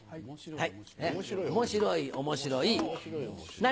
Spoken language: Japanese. はい。